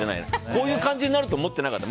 こういう感じになると思わなかった。